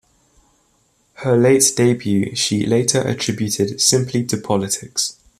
Her late debut she later attributed simply to "politics".